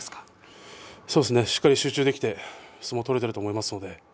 しっかり集中して相撲を取れていると思います。